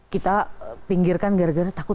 kita pinggirkan gara gara takut